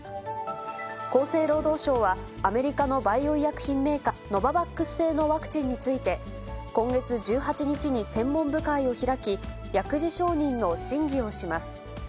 厚生労働省は、アメリカのバイオ医薬品メーカー、ノババックス製のワクチンについて、今月１８日に専門部会を開き、薬事承認の審議をします。